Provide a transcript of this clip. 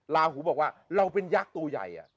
ลาหูบอกว่าเราเป็นยักษ์ตัวใหญ่